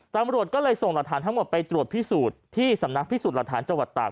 ตำรวจก็เลยส่งหลักฐานทั้งหมดไปตรวจพิสูจน์ที่สำนักพิสูจน์หลักฐานจังหวัดตาก